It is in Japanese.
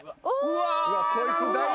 うわ。